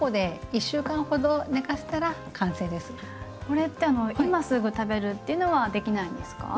これって今すぐ食べるっていうのはできないんですか？